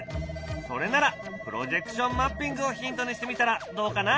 それならプロジェクションマッピングをヒントにしてみたらどうかな？